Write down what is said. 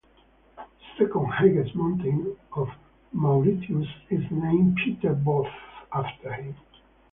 The second highest mountain of Mauritius is named Pieter Both after him.